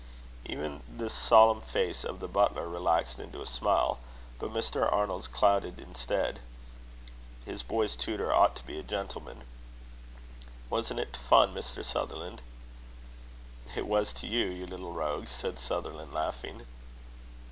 Even the solemn face of the butler relaxed into a smile, but Mr. Arnold's clouded instead. His boy's tutor ought to be a gentleman. "Wasn't it fun, Mr. Sutherland?" "It was to you, you little rogue!" said Sutherland, laughing.